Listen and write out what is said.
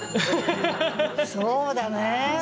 そうだね。